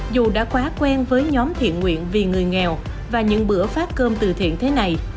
dù đã quá quen với nhóm thiện nguyện vì người nghèo và những bữa phát cơm từ thiện thế này